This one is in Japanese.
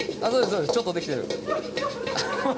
そうですちょっとできてる